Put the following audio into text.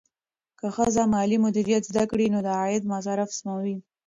که ښځه مالي مدیریت زده کړي، نو د عاید مصرف سموي.